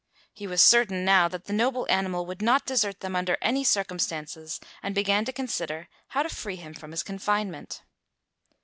He was certain now that the noble animal would not desert them under any circumstances and began to consider how to free him from his confinement.